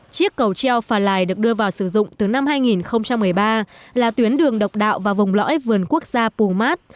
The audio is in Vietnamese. chiếc cầu treo phà lại được đưa vào sử dụng từ năm hai nghìn một mươi ba là tuyến đường độc đạo và vùng lõi vườn quốc gia pù mát